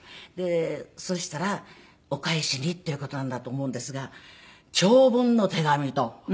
そしたらお返しにっていう事なんだと思うんですが長文の手紙と。